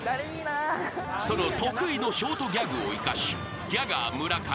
［その得意のショートギャグを生かしギャガー村上